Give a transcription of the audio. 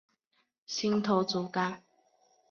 新头足纲。